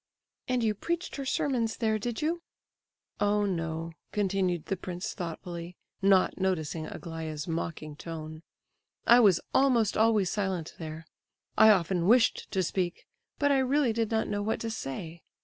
"And you preached her sermons there, did you?" "Oh no," continued the prince thoughtfully, not noticing Aglaya's mocking tone, "I was almost always silent there. I often wished to speak, but I really did not know what to say.